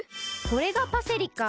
これがパセリか。